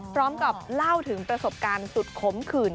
พร้อมกับเล่าถึงประสบการณ์สุดขมขื่น